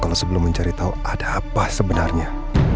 kalau sebelum mencari tahu ada apa sebenarnya